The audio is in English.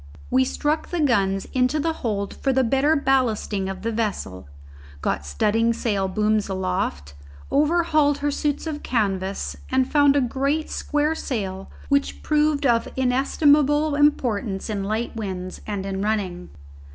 We struck the guns into the hold for the better ballasting of the vessel, got studding sail booms aloft, overhauled her suits of canvas and found a great square sail which proved of inestimable importance in light winds and in running.